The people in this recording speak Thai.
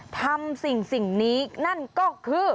ทำสิ่งนี้นั่นก็คือ